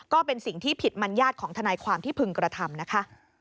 ก็เป็นสิ่งที่ผิดมัญญาติของทนายความที่พึงกระทำนะคะ